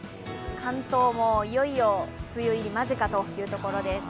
関東もいよいよ梅雨入り間近というところです。